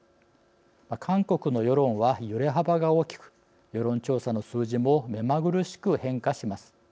韓国の世論は揺れ幅が大きく世論調査の数字も目まぐるしく変化します。